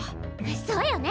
そうよね！